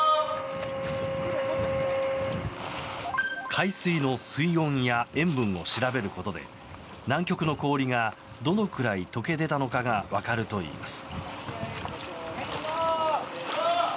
海水の水温や塩分を調べることで南極の氷がどのくらい解け出たのかが分かるといいます。